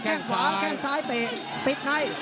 แค่งขวาแค่งซ้ายติดให้